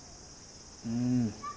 うん。